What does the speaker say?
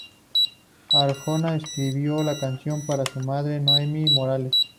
Arjona escribió la canción para su madre, Noemí Morales.